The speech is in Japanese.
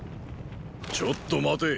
ちょっと待て。